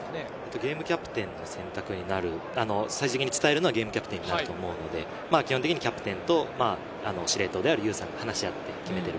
ゲームキャプテンの選択になる、最終的に伝えるのはゲームキャプテンだと思うので、キャプテンと司令塔である優さんが話し合って決めている。